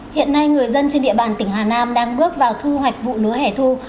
hiện nay người dân trên địa bàn tỉnh hà nam đang bước vào thu hoạch vụ lúa hẻ thu